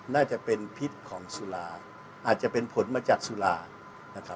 น่าจะเป็นพิษของสุราอาจจะเป็นผลมาจากสุรานะครับ